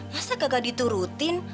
masa kagak diturutin